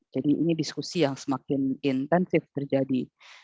jadi ini diskusi yang semakin intensif terjadi